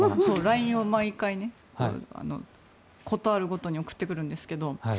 ＬＩＮＥを毎回事あるごとに送ってくるんですが。